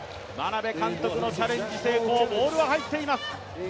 眞鍋監督のチャレンジ成功、ボールは入っています。